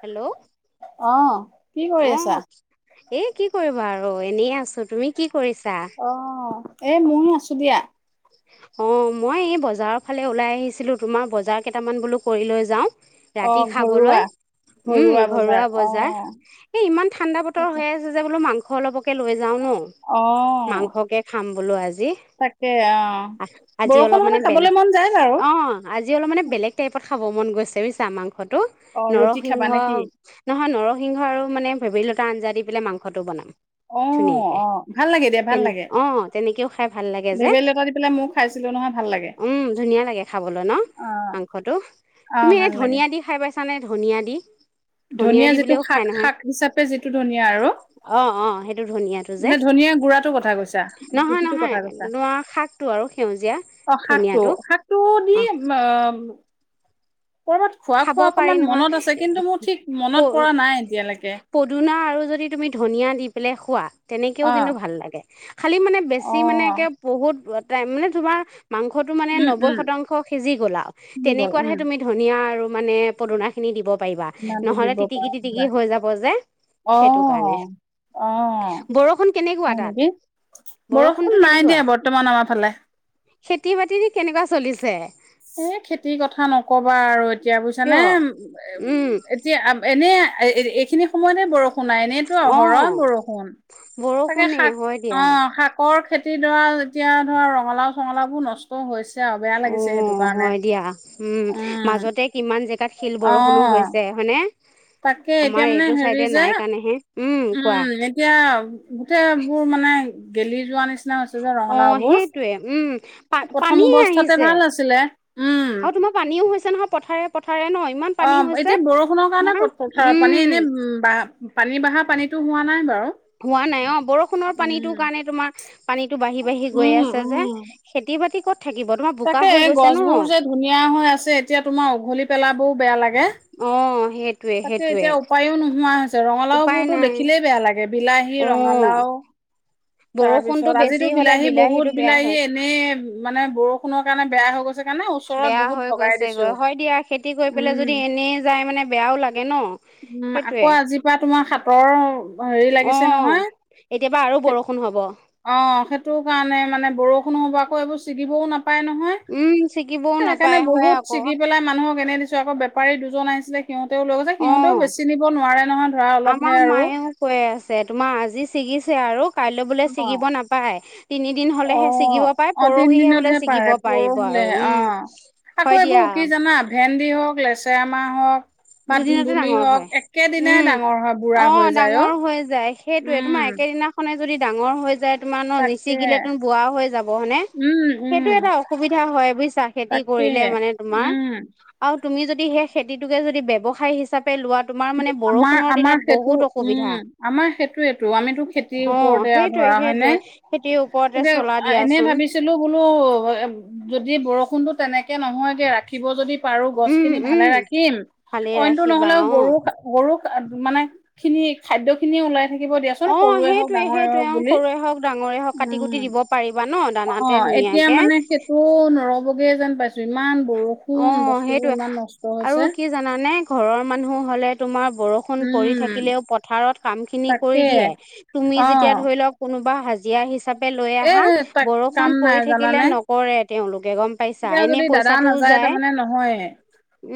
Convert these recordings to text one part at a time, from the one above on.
Hello অহ কি কৰি আহ আছা? এই কি কৰিবা আৰু এনেই আছো তুমি কি কৰিছা? এই মইয়ো আছোঁ দিয়া। অ মই এই বজাৰৰ ফালে ওলাই আহিছিলো তোমাৰ বজাৰ কেইটামান বোলো কৰি লৈ যাওঁ। অ ৰাতি ঘৰুৱা খাবলৈ। উম ঘৰুৱা বজাৰ এই ইমান ঠাণ্ডা বতৰ তাকে হৈ আছে যে বোলো মাংস স অলপকে লৈ যাও ন অ মাংসকে খাম বোলো আজি তাকে অ অহ আজি বৰষুণ অলপ হলে মানে খাবলৈ বেলেগ মন যায় বাৰু অ আজি অলপ মানে বেলেগ টাইপত খাব মন গৈছে বুইচা মাংসটো অ ৰুটি খাবা নৰিংহ নে কি? নহয় নৰ সিংহ আৰু মানে ভেবেলিলতা আঞ্জা দি পেলাই মাংসটো বনাম। অ ধুনীয়াকে অ ভাল লাগে দিয়া ভাল তেনে লাগে অ তেনেকেও খাই ভাল লাগে যে ভেবেলিলতা দি পেলাই মইয়ো খাইছিলো নহয়। ভাল লাগে। উম ধুনীয়া লাগে খাবলৈ ন। অ মাংসটো অ তুমি এই ভাল লাগে ধুনিয়া দি খাই পাইছানে ধনিয়া দি। ধনিয়া ধুনিয়া দি যিটো বুলিও খাই শাক নহয় শাক হিচাপে যিটো ধুনীয়া আৰু অ অ সেইটো ধনিয়াটো যে নে ধুনীয়া গুড়াটো কথা কৈছা নহয় গুটিটো নহয় কথা কৈছা? তোমাৰ শাকটো আৰু সেউজীয়া অ শাকটো ধনিয়াটো শাকটো অ দিম কৰ'বাত খোৱা খাব খোৱা পাৰি অকমান নহয় মনত আছে কিন্তু মোৰ ঠিক মনত পৰা নাই এতিয়ালৈকে। পনা আৰু যদি তুমি ধনিয়া দি পেলাই খোৱা তেনেকৈও কিন্তু অ', ভাল লাগে খালি মানে বেছি মানে অ', কে বহুত মানে তোমাৰ মাংসটো মানে উম, নব্বৈ উম, শতাংশ সিজি গল আৰু দি গ'ল তেনেকোৱাতহে উম, তুমি ধনিয়া আৰু মানে পদুনা খিনি দিব পাৰিবা ইমানটো নহলে দিব পৰা তিটিকি কিবা তিটিকি হৈ যাব যে। অ সেইটো কাৰণে অহ বৰষুণ কেনেকুৱা হয় তাত নেকি বৰষুণটো বৰষুণ নাই কেনেকুৱা দিয়া বৰ্তমান আমাৰ ফালে। খেতি বাতি দি কেনেকোৱা চলিছে? এ খেতিৰ কথা নকবা আৰু। কিয় বুইছা নে উম এতিয়া এনে এইখিনি সময়তে বৰষুণ শুনাই ন তো অ অহৰহ বৰষুণ, তাকে বৰষুণে শাক হয় অ দিয়া শাকৰ খেতি ধৰা এতিয়া ধৰা ৰঙালাও চঙলাও বোৰ নষ্ট হৈছে আৰু বেয়া অ লাগিছে সেইটো, কাৰণে হয় দিয়া, উম মাজতে কিমান জেগাত শিল অ', বৰষুণো হৈছে হয়নে? তাকে আমাৰ এতিয়া মানে এইটো চাইডে হেৰি যে নাই কাৰণেহে কোৱা উম এতিয়া গোটেই বোৰ মানে গেলি যোৱা নিচি না হৈছে যে অ ৰঙালাও বোৰ, সেইটোৱে উম পা প্ৰথম পানীয়ে অৱস্থাতে আহিছে ভাল আছিলে উম আৰু তোমাৰ পানীও হৈছে নহয় পথাৰে পথাৰে ন ইমান অ পানী হৈছে এতিয়া বৰষুণৰ কাৰণে তোমাৰ পথাৰত পানী উম এনে উ পানী বঢ়া পানীতো হোৱা নাই বাৰু। হোৱা নাই অ বৰষুণৰ পানীটো উম, কাৰণে তোমাৰ পানীটো বাঢ়ি বাঢ়ি গৈ উম, আছে যে উম। খেতি বাতি কত থাকিব তোমাৰ বোকা তাকে হৈ গৈছে গছ ন বোৰ যে ধুনীয়া হৈ আছে এতিয়া তোমাৰ উঘলি পেলাবোও বেয়া লাগে অ সেইটোৱে তাকে সেইটোৱে এতিয়া উপায়ো নোহোৱা হৈছে ৰঙালাও উপায় বোৰতো নাই দেখিলেই বেয়া লাগে বিলাহী, অ ৰঙালাও তাৰপিছত বৰষুণতো বেছি আজিতো হলে বিলাহী বহুত বিলাহীটো বেয়া বিলাহী হয় এনেই মানে বৰষুণৰ কাৰণে বেয়া হৈ গৈছে। কাৰণে ওচৰত বেয়া বহুত হৈ ভগাই দিছো। গৈছেগৈ হয় দিয়া খেতি কৰি পেলাই যদি উম, এনেই যাই মানে বেয়াও লাগে ন? উম আকৌ সেইটোয়ে, আজিৰ পৰা তোমাৰ হাতৰ হেৰি অ লাগিছে নহয় এতিয়াবা আৰু বৰষুণ হ'ব অ সেইটোৰ কাৰণে মানে বৰষুণ হ'ব আকৌ এইবোৰ ছিগিবও নাপ পায় নহয় উম ছিগিবও সেইকাৰণে নাপায় হয় বহুত আকৌ ছিগি পেলাই মানুহক এনেই দিছো আক বে পাৰী দুজন আহিছিলে সিহঁতেও লৈ গৈছে,, সিহঁতেও অ বেচি নিব নোৱাৰে নহয় ধৰা অলপহে আমাৰ আৰু। মায়ে ও কৈ আছে তোমাৰ আজি ছিগিছে আৰু কাইলৈ বোলে অ', ছিগিব নাপায় তিনিদিন হলেহে চিগিব অ', পাৰে অ', পৰহিহে বোলে তিনদিনতহে চিগিব পাৰে পাৰিব আৰু পৰহিলেহে উম অ', হয় আকৌ দিয়া এইবোৰ কি জানা ভেন্দি হওক লেচেৰা মাহ হওক বা দুদিনতে ধুন্দুলি ডাঙৰ হয় হওক, একেদিনাই উম ডাঙৰ হয় অ বুঢ়া হৈ যায় ডাঙৰ অ। হৈ যায় সেইটোয়ে উম, তোমাৰ একেদিনাখনে যদি ডাঙৰ হৈ যায় তোমাৰ ন তাকে নিচিগিলে তুম বোৱা হৈ যাব হয়নে। উম, উম, সেইটো এটা অসুবিধা হয় বুজিছা খেতি তাকে। কৰিলে মানে তোমাৰ উম, আৰু তুমি যদি সেই খেতিটোকে যদি ব্যৱসায় হিচাপে লোৱা তোমাৰ মানে আমাৰ বৰষুণৰ আমাৰ দিনত সেইটো বহুত অসুবিধা উম আমাৰ সেইটোৱেইটো আমিতো খেতিৰ অ', ওপৰতে সেইটোৱে ধৰা হয় নে, সেইটোৱে খেতিৰ ওপৰতে এতিয়া চলা এনে দিয়াচোন ভাবিছিলো বোলো যদি বৰষুণটো তেনেকৈ নহয়গৈ ৰাখিব যদি পাৰো গছ উম, খিনি ভালে উম, ৰাখিম ভালে অইনটো ৰাখিবা নহলেও অ', গৰু খা- গৰু মানে খিনি খাদ্য খিনি ওলাই থাকিব দিয়াচোন অ', সৰুৱে হওক সেইটোৱে ডাঙৰে সেইটোৱে হওক অ', বুলি সৰুৱে হওক ডাঙৰে হওক কাটি কুটি উম। দিব পাৰিবা ন অ দানাতে এতিয়া ধুনীয়াকে মানে সেইটো নৰবগে যেন পাইছো ইমান অ বৰষুণ বস্তুবোৰ সেইটোয়ে ইমান নষ্ট হৈছে আৰু কি জানানে, ঘৰৰ মানুহ হলে তোমাৰ বৰষুণ পৰি উম থাকিলেও পথাৰত কাম খিনি তাকে কৰি দিয়ে, তুমি অ যেতিয়া ধৰি লওক কোনোবা সাজিয়া হিচাপে লৈ এ আহা তাক বৰষুণ কাম নাই পৰি থাকিলে জানানে নকৰে। তেওঁলোকে গম পাইছা এতিয়া এনেই যদি দাদা পইচাত নাযায় তাৰমানে নহয়ে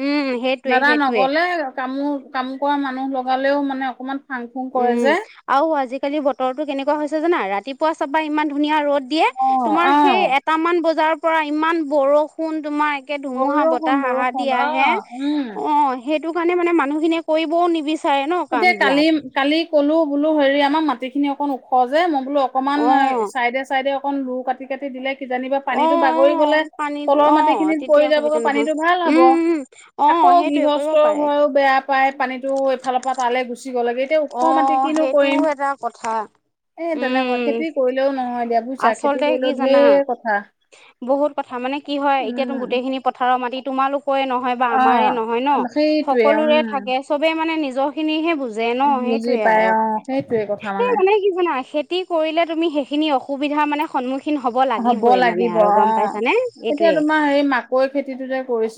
উম সেইটোৱে দাদা সেইটোৱে নগলে কামো কাম কৰা মান মানুহ লগালেও মানে অকণমান উম আৰু আজিকালি বতৰটো কেনেকুৱা হৈছে জানা ৰাতিপুৱা চাবা ইমান ধুনীয়া ৰ'দ দিয়ে অ', তোমাৰ সেই অ', এটামান বজাৰৰ পৰা ইমান বৰষুণ তোমাৰ ধুমুহা বৰষুণ বতাহ সাহাৰ বৰষুণ দি আহে অ', উম, অ সেইটো কাৰণে মানে মানুহ খিনিয়ে কৰিবও নিবিচাৰে। ন কাম এতিয়া বিলাক কালি কালি ক'লো বোলো হেৰি আমাক মাটি খিনি অকন ওখ যে মই বোলো অকনমান অ চাইডে চাইডে অন বোৰ কাটি কাটি দিলে কিজানিবা অ অ পানীটো বাগৰি গলে পানীত তলৰ অ মাটি খিনিত পৰি তেতিয়া অসুবিধা যাবগে নহয় পানীটো ভাল হব। উম উম অ আকৌ সেইটোৱে কৰিব গৃহস্থ পাৰে ঘয়ো বেয়া পায় পানীটো এফালে পা তালে গুচ গুচি গলেগে এতিয়া ওখ অ মাটি কিনো সেইটোও কৰিম। এটা কথা এ তেনেকুৱা উম খেতি কৰিলেও নহয় দিয়া বুজিছা খেতি আচলতে কি কৰিলেও জানা ঢেৰ কথা। বহুত কথা মানে কি হয় এতিয়াতো উম, গোটেই খিনি পথাৰৰ মাটি তোমালোক কয় নহয় বা আমাৰে অ', নহয় ন সেইটোৱে সকলোৰে থাকে উম, চবে মানে নিজৰ খিনিহে বু- জে ন বুজি সেইটোয়ে পাই আৰু অ', সেইটোৱে কথা এই মানে কি জানা খেতি কৰিলে তুমি সেইখিনি অসুবিধা মান সন্মুখীন হব লাগিবই মানে লাগিব অ আৰু গম পাইছানে এতিয়া এইটোয়ে তোমাৰ হেৰি মাকৈ খেতিটো যে কৰিছে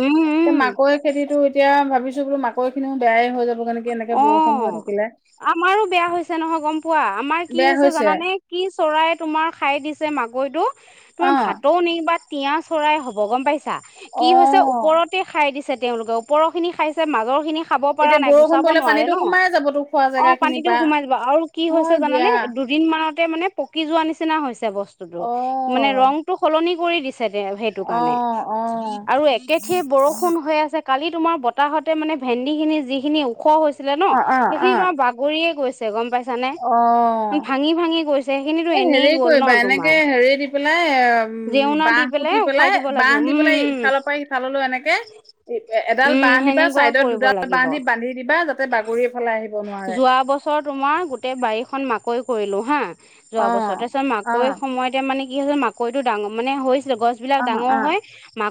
উম এ উম মাকৈ খেতিতো এতিয়া ভাবিছো বোলো মাকৈ খিনিও বেয়াই হৈ যাব। এনেকে অ বৰষুণ হৈ থাকিলে। আমাৰো বেয়া হৈছে নহয় গম পোৱা আমাৰ কি হৈছে জানে কি চৰাই তোমাৰ খাই দিছে। মাকৈটো তোমাৰ অ', ভাতৌ নিকিবা তিয়া চৰাই হব গম পাইছে। কি হৈছে অ'। ওপৰতে খাই দিছে তেওঁলোকে ওপৰৰ খিনি খাইছে মাজৰ খিনি খাব পৰা এতিয়া নাই বুু বৰষুণ চাব পৰিলে নোৱাৰে পানীতো ন সোমাই যাবতো খোৱা অ জেগা খিনিৰ পানীটো পৰা। সোমাই যাবা আৰু কি হৈছে হয় দিয়া জানানে দুদিন মানত মানে পকি যোৱা নিচিনা হৈছে বস্তুটো অ', মানে ৰংতো সলনি কৰি দিছে। সেইটো অ', কাৰণে অ', আৰু একেঠিয়ে বৰষুণ হৈ আছে। কালি তোমাৰ বতাহতে মানে ভেন্দি খিনি যিখিনি ওখ হৈছিলে ন অ', সেইখিনি অ', তোমাৰ বাগৰিয়ে গৈছিল। গম পাইছা নে অ'। অ ভাঙি ভাঙি গৈছ। এ হেৰি কৰিবা এনেকে হেৰি দি পেলাই উম জেওনা বাহ দি পুতি উঠাই পেলাই দিব লাগিব উম বাহ। পেলাই উম ইফালৰ পৰা সিফাললৈ এনেকে এডাল বাহ উম দিবা সেনেকুৱা চাইডত কৰিব দুডাল বাহ লাগিব দি বান্ধি দিবা যাতে বাগৰি এফালে আহিব নোৱাৰে যোৱা বছৰ তোমাৰ গোটেই বাৰীখন মাকৈ কৰিলো হা। যোৱা অ বছৰ তাৰপিছত অ মাকৈ সময়তে মানে কি হৈ হৈছে মাকৈটো ডাঙৰ মানে গছ বিলাক ডাঙৰ অ হয়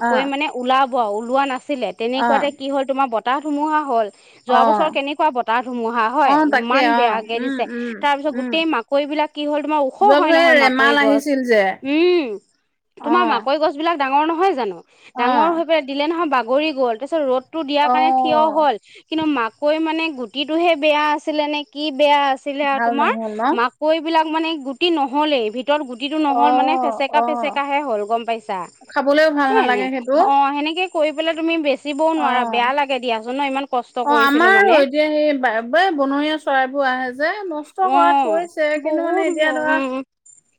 অ মানে ওলাব আৰু ওলোৱা নাছিলে অ তেনেকুৱাতে কি হ'ল তোমাৰ ব- বতাহ ধুমুহা হ'ল অ অ যোৱা বছৰ কেনেকুৱা বতাহ ধুমুহা অ হয় তাকে ইমান অ বেয়াকে উম দিছে উম তাৰ পিছত উম গোটেই মাকৈ বিলাক কি হ'ল তোমাৰ ওখ যোৱা হয় বছৰ এই নহয় মাকৈ। ৰেমাল গছ আহিছিল যে উমম অ তোমা মাকৈ গছ বিলাক ডাঙৰ নহয় জানো অ ডাঙৰ হৈ পেলাই দিলে নহয় বাগৰি গ'ল তাৰপিছত ৰ'দ। টো দিয়াৰ অ কাৰণে থিয় হ'ল কিন্তু মাকৈ মানে গুটিটোহে বেয়া আছিলে নে কি। বেয়া আছিলে আৰু ভাল তোমাৰ নহল ন মাকৈ বিলাক মানে গুটি নহলেই ভিতৰত। ভতৰ গুটিটো অ নহ'ল মানে অ ফেচেকা ফেচেকাহে হ'ল গম পাইছা। খাবলৈও ভাল সনে নালাগে সেইটো অ সেনেকে কৰি পেলাই তুমি বেচিবও নোৱাৰা অ বেয়া লাগে দিয়াচোন ন ইমান। কষ্ট অ কৰিছিলো আমাৰ মানে এতিয়া সেই। ব বনৰীয়া চৰাইবোৰ আহে যে অ নষ্ট কৰাত কৰিছে কিন্তু বহুত মানে এতিয়া ধৰা। উম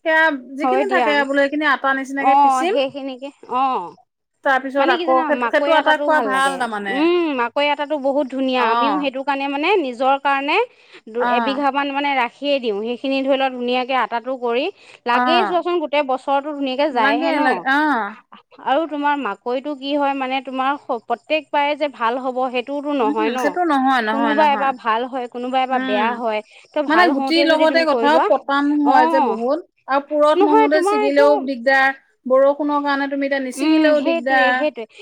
সেয়া হয় যিখিনি দিয়া থাকে বোলে সেইখিনি আটা অ নিচিনাকে পিচিম সেইখিনিকে অ। তাৰ পিছত মানে কি আকৌ জানা সেইটো মাকৈ সেইটো আটা আটাতো খোৱা ভাল লাগে তাৰমানে উম মাকৈ আট। স অ অ ম [unintelligible] সিয়েই দিওঁ সেইখিনি ধৰি লওক ধুনীয়াকৈ আটাটো কৰি। অ লাগেই চোৱাচোন গোটেই বছৰটো ধুনীয়াকে লাগে যায়হে লাগে অ ন আৰু। তোমাৰ মাকৈতটো কি হয় মানে তোমাৰ প্ৰতেকবাৰে যে ভাল হ'ব সেই। টোতো নহয় উম ন। সেইটো নহয় নহয় কোনোবা নহয় এবাৰ ভাল হয় কোনোবা এবাৰ উম বেয়া হয় ত মানে ভাল গুটিৰ হওঁতে যদি। লগতে তুমি কৰি কথাও লোৱা পতান অ। হয় যে বহুত আৰু পুৰত নহয় নহোতে তোমাৰ ছিগিলেও এইটো দিগদাৰ, বৰষুণৰ কাৰণে তুমি এতিয়া উম নিচিগিলেও সেইটোয়ে দিগদাৰ।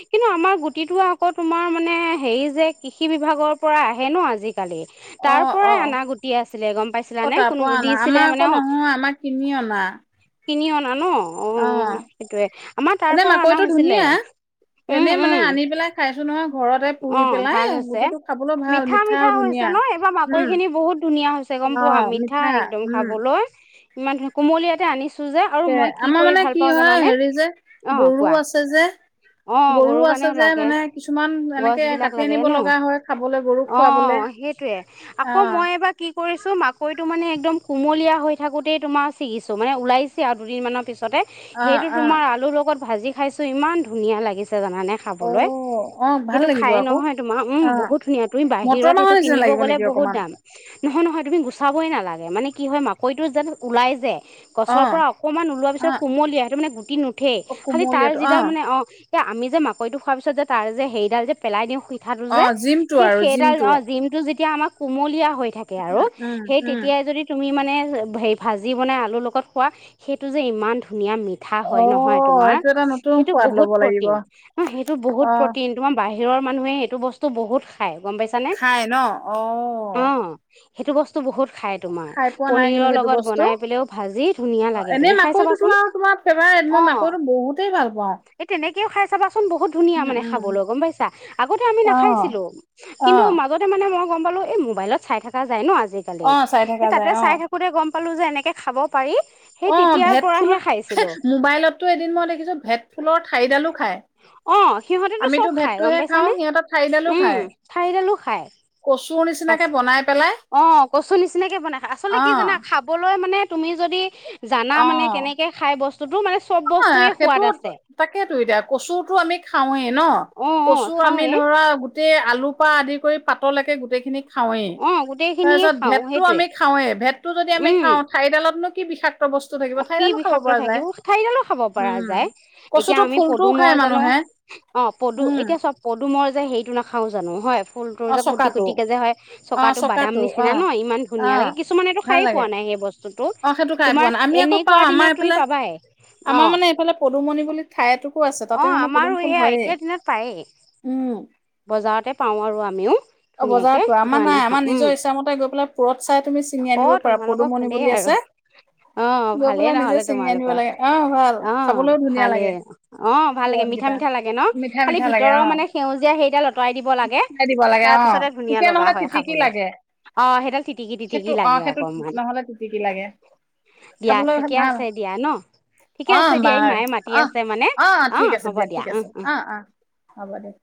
কিন্তু আমাৰ গুটিটো আকৌ তোমাৰ মানে হেৰি যে কৃষি বিভাগৰ পৰা আহে ন আজি কালি, অ তাৰ পৰাই অ আনা গুটি আছিলে গম অ পাইছিলানে তাৰ পৰা কোনো দিছিলে মানে অ। বা। কিনি অনা ন অ, সেইটোৱে আমাৰ তাৰ পৰা অনা হৈছিলে। উম এনেই মানে উম আনি পেলাই খাইছো নহয়। ঘৰতে অ, পুৰি পেলাই ভাল হৈছে। গুটিটো খাবলৈ ভাল মিঠা মিঠা-মিঠা আৰু হৈছে ধুনীয়া ন? এইবাৰ মাকৈ উম খিনি বহুত ধুনীয়া হৈছে। গম অ পোৱা মিঠা একদম উম খাবলৈ ইমান কোমলতে আনি যে আৰু তাকে মই কি আমাৰ কৰি মানে ভাল কি পাওঁ হয় জানানে? হেৰি যে অ গৰু কোৱা? আছে যে অ, গৰু গৰুৰ আছে কাৰণেও যে লাগে। মানে কিছুমান গছ এনেকে বিলাক কাটি লাগে আনিব ন, লগা হয় খাবলৈ গৰুক অ খুৱাবলে অ, সেইটোয়ে অ আকৌ মই এবাৰ কি কৰিছো মাকৈটো মানে একদম কুমলীয়া হৈ থাকোতেই তোমাৰ ছিগিছো। মানে ওলাইছে আৰু দুদিনমানৰ পিছত তাৰছতে অ সেইটো তোমাৰ আলুৰ লগত ভাজি খাইছোঁ ইমান ধুনীয়া লাগিছে জানানে অ খাবলৈ? অ অ ভাল সেইটো লাগিব খাই আকৌ নহয়। তোমাৰ উম অ বহুত ধুনীয়া তুমি মটৰ বাহিৰত মাহৰ সেইটো নিচিনা কিনিব লাগিব গ'লে নেকি বহুত অকমান দাম নহয়। হয়, নহয় তুমি গুচাবই নালাগে মানে কি হয় মাকৈতো যে ওলাই যায়। অ গছৰ পৰা অকণমান ওলোৱা পিছত কোমলীয়া সেইটো মানে গুটি নুঠে অ খালি তাৰ কোমলীয়াটো যিডাল মানে অ, এতিয়া আমি যে মাকৈতটো খোৱাৰ পিছ যে তাৰ যে হেৰিডাল যে পেলাই দিওঁ কথাটো অ যে জিমটো সেই আৰু সেইডাল জিমটো জিমটো য়া আম কম হৈ থাকে আৰু উম স উম তেতিয়াই যদি তুমি মানে ভাজি বনাই আলু লগত খোৱা সেইটো যে ইমান ঠা অ হয় নহয় তোমাৰ, এইটো এটা নতুন সেইটো সোৱাদ বহুত লব লাগিব প্ৰটিন ন সেইটো বহুত অ প্ৰটিন তোমাৰ বাহিৰৰ মানুহে সেইটো বস্তু বহুত খাই, গম পাইছ নে? খাই ন অ অ, সেইটো বস্তু বহুত খাই তোমাৰ, খাই পোৱা নাই পনীৰ কিন্তু সেইটো লগত বস্তু বনাই পেলাও ভাজি ধুনিয়া অ লাগে তুমি খাই চাবা চোন। মাকৌ বহুতেই ভাল পাওঁ। এনেকিয় খাই চাবা বহুত ধুনীয়া উম মানে উম খাবলৈ গম পাইছা। আগতে আমি অ নাখাইছিলো অ কিন্তু মাজতে মানে ম অ চাই থকা যায় অ [unintelligible] ক'লোঁ যে এনেকৈ খাব পাৰি। সেই অ, তেতিয়াৰ ভেদ ফুল পৰাহে খাইছিলো মোবাইলতো এদিন মই দেখিছো ভেদ ফুলৰ ঠাৰিডালো খাই। অ, সিহঁতেতো চব খাই গম পাইছানে সিহঁতৰ ঠাৰিডালো উম খায় ঠাৰিডালো খায়। কচুৰ আ নিচিনাকে বনাই পেলাই অ, কচু নিচিনাকে বনাই খা আচলতে অ কি জাননা খাবলৈ মানে তুমি যদি জানা মানে অ কেনেকে খাই বস্তুতটো মানে চব আহ, বস্তুৱয়ে সেইটো সোৱাদ আছে। তাকেতো এতিয়া কচুৰতো আমি খাওৱে ন? অ অ কচু আমি খাওৱে ধৰা গোটেই আলু পৰা আদি কৰি পাতলকে গোটেই খিনি খাওঁৱে। অ গোটেইখিনিয়ে তাৰপিছত খাও ভেটটো সেইটোৱে আমি খাওঁৱে। ভেটটো যদি আমি উম খাওঁ, ঠাৰিডালতনো কি বিষা অ' কি বিষাক্ত থাকিব? ঠাৰিডালো খাব পৰা উম যায়। এতিয়া কচুটো আমি ফুলটোও পদুমৰ খায় জানো, মানুহে অ'- পদু- উম এতিয়া চোৱা প দুমৰ যে হেৰিটো নাখাওঁ জানো, হয়। ফুলটোৰ অ যে চকাটো কুটি-কুটি কে যে হয়। অ চকাটো বাদাম অ নিচিনা ন', ইমান অ ধুনীয়া লাগে। কিছুমানেতো ভাল খায় লাগে পোৱা নাই সেই বস্ স্তুটো। অ সেইটো খাই পোৱা তোমাৰ নাই আমি আকৌ এনেকুৱা পাওঁ আমাৰ দিনত তুমি এইফালে পাবায়ে, আমাৰ অ'। মানে এইফালে পদুমণি বুলি ঠাই এটুকো আছে তাতে অ' মানে পদুম আমাৰো এই ফুল এয়া হয়েই এতিয়া দিনত পায়েই। উম। বজাৰতে পাওঁ আৰু আমিও অ', ধুনীয়াকে বজাৰতো। সেইটো আমাৰ আনি নাই। খাওঁ আমাৰ উম নিজৰ ইচ্ছামতে গৈ পেলাই পুৰঠ চাই তুমি চিঙি অ আনিব পাৰা। তোমালোকৰ পদুমণি ভালেই বুলি আৰু আছে। অ গৈ ভালেই পেলাই নিজে নহলে ছিঙি আনিব তোমালোকৰ লাগে। অ', ভাল। অ খাবলৈও ধুনীয়া ভালেই লাগে, অ ভাল লাগে পুৰঠ মিঠা কেইটা। মিঠা লাগে ন মিঠা - খালি মিঠা লাগে ভিতৰৰ অ'। মানে সেউজীয়া সেইডাল আঁতৰাই দিব লাগে খাই দিব লাগে তাৰ অ'। পিছতে ধুনীয়া তেতিয়া লগা নহ'লে হয় তিটিকি খাবলৈ লাগে। অ সেইডাল তিটিকি তিটিকি সেইটো অ', লাগে সেইটো অকনমান নহ'লে তিটিকি লাগে। দিয়া, খাবলৈ ঠিকে ভাল আছে দিয়া ন'? ঠিকে আছে অ' দিয়া এই বাৰু, মায়ে মাতি আছে মানে অ'। অ' ঠিক আছে হ'ব দিয়া, ঠিক উ উ আছে। অ' - অ'। হ'ব দে।